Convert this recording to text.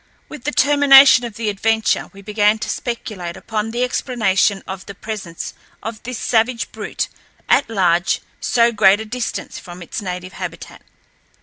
With the termination of the adventure, we began to speculate upon the explanation of the presence of this savage brute at large so great a distance from its native habitat.